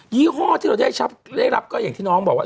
ี่ห้อที่เราได้รับก็อย่างที่น้องบอกว่า